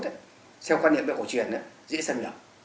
theo quan điểm của cổ truyền dễ xâm nhập